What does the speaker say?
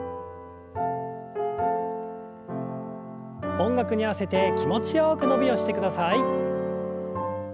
音楽に合わせて気持ちよく伸びをしてください。